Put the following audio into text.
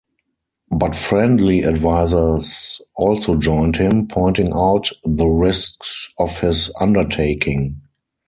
But friendly advisers also joined him, pointing out the risks of his undertaking.